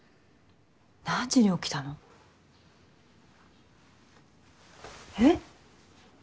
何時に起きたの？え？